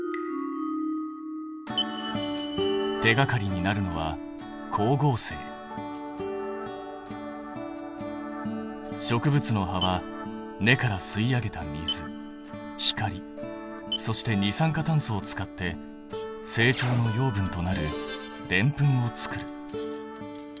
手がかりになるのは植物の葉は根から吸い上げた水光そして二酸化炭素を使って成長の養分となるデンプンを作る。